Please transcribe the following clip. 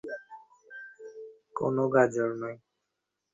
কোন গাজর নয়।